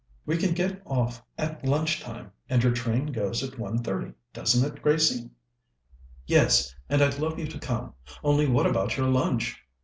"We can get off at lunch time, and your train goes at 1.30, doesn't it, Gracie?" "Yes, and I'd love you to come; only what about your lunch?"